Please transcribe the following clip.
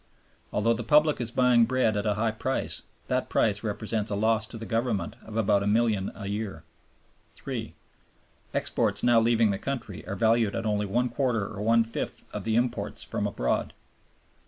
Although the public is buying bread at a high price, that price represents a loss to the Government of about a milliard a year. (3) Exports now leaving the country are valued at only one quarter or one fifth of the imports from abroad.